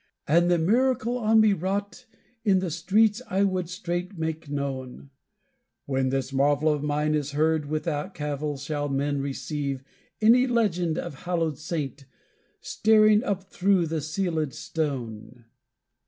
And the miracle on me wrought, in the streets I would straight make known: "When this marvel of mine is heard, without cavil shall men receive Any legend of haloed saint, staring up through the sealèd stone!"